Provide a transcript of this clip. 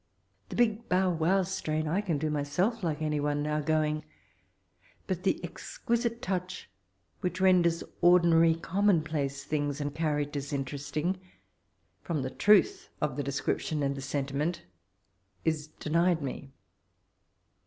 The big bow wow strain I can do myself like any now going ; but the exquisite touch, which renders ordinary commonplace tilings and characters interesting, from the troth of the description and the sentiment, is denied me.